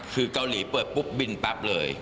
คือเกาหลีเปิดปุ๊บบินปั๊บเลย